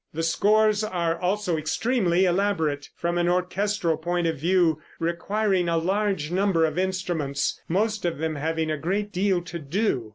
The scores are also extremely elaborate, from an orchestral point of view, requiring a large number of instruments, most of them having a great deal to do.